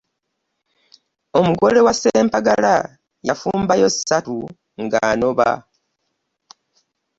Omugole wa Ssempagala yafumbayo ssatu ng'anoba!